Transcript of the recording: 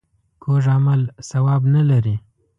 کوږ عمل ثواب نه لري